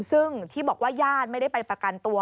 ซึ่งที่บอกว่าญาติไม่ได้ไปประกันตัว